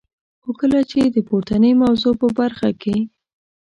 خو کله چي د پورتنی موضوع په برخه کي.